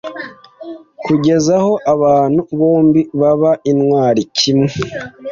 kugeza aho abantu bombi baba intwari kimwe